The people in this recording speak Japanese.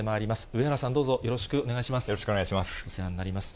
上原さん、どうぞよろしくお願いします。